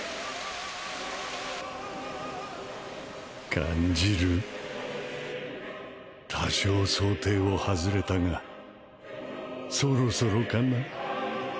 感じる多少想定を外れたがそろそろかな